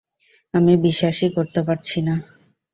আমি বিশ্বাসই করতে পারছি না।